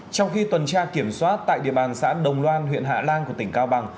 trong khi tuần tra kiểm soát tại địa bàn xã đồng loan huyện hạ lan của tỉnh cao bằng